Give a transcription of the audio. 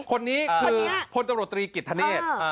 คนนี้คือพลตำรวจตรีกิจธเนธ